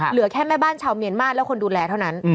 เหลือแค่แม่บ้านชาวเมียนมาสและคนดูแลเท่านั้น